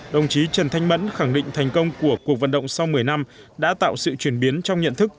đồng chí trần thanh mẫn khẳng định thành công của cuộc vận động sau một mươi năm đã tạo sự chuyển biến trong nhận thức